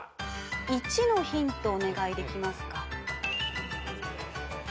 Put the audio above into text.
１のヒントお願いできますか？